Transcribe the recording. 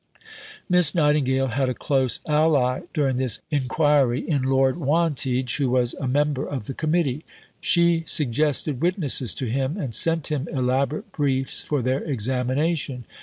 Miss Nightingale had a close ally during this inquiry in Lord Wantage, who was a member of the Committee. She suggested witnesses to him; and sent him elaborate briefs for their examination.